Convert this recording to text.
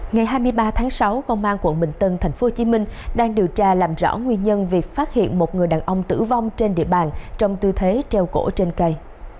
ngày hai mươi ba tháng sáu công an quận bình tân tp hcm đang điều tra làm rõ nguyên nhân việc phát hiện một người đàn ông tử vong trên địa bàn trong tư thế treo cổ trên cây